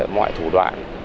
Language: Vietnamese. mọi thủ đoạn